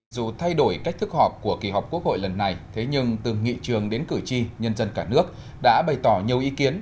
dù thay đổi cách thức họp của kỳ họp quốc hội lần này thế nhưng từ nghị trường đến cử tri nhân dân cả nước đã bày tỏ nhiều ý kiến